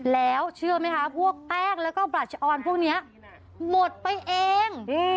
แล้วเชื่อไหมคะพวกแป้งแล้วก็บราชออนพวกนี้หมดไปเอง